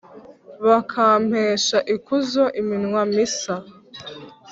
bakampesha ikuzo iminwa misa,